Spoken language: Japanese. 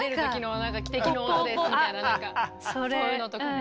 そういうのとかね。